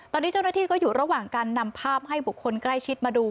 ตอนนี้เจ้าหน้าที่ก็อยู่ระหว่างการนำภาพให้บุคคลใกล้ชิดมาดู